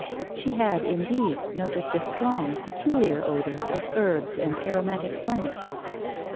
She had indeed noticed a strong, peculiar odour of herbs and aromatic plants.